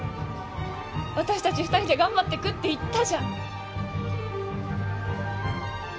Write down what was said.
私たち２人で頑張ってくって言ったじゃん。